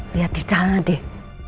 lihat di sana deh